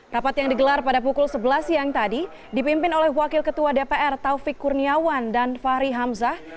rapat yang digelar pada pukul sebelas siang tadi dipimpin oleh wakil ketua dpr taufik kurniawan dan fahri hamzah